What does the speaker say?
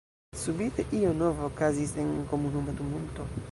Subite io nova okazis en komuna tumulto.